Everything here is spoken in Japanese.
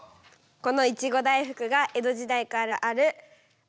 このいちご大福が江戸時代からあるおかしです。